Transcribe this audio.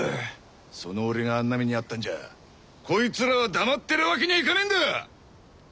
その俺があんな目に遭ったんじゃこいつらは黙ってるわけにはいかねえんだ！